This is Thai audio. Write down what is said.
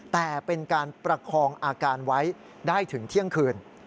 แต่เป็นการประคองอาการไว้ได้ถึงเที่ยงคืน